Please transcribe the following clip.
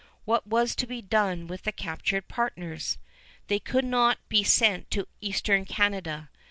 What was to be done with the captured partners? They could not be sent to Eastern Canada.